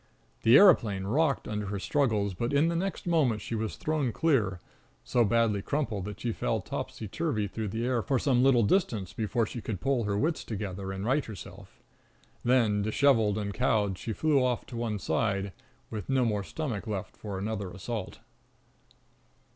The aeroplane rocked under her struggles, but in the next moment she was thrown clear, so badly crumpled that she fell topsy turvy through the air for some little distance before she could pull her wits together and right herself. Then, dishevelled and cowed, she flew off to one side, with no more stomach left for another assault.